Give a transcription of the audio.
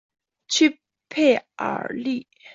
屈佩尔利。